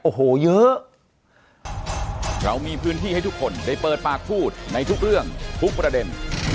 โอ้โหเยอะเรามีพื้นที่ให้ทุกคนได้เปิดปากพูดในทุกเรื่องทุกประเด็น